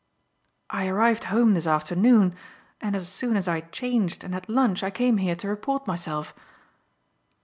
"I arrived home this afternoon, and as soon as I had changed and had lunch I came here to report myself."